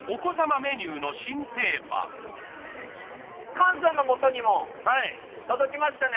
菅さんのもとにも届きましたね。